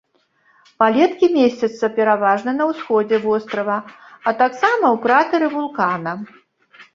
Палеткі месцяцца пераважна на ўсходзе вострава, а таксама ў кратэры вулкана.